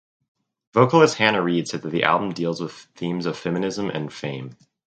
Vocalist Hannah Reid said the album deals with themes of feminism and fame.